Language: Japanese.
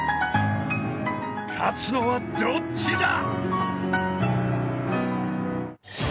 ［勝つのはどっちだ］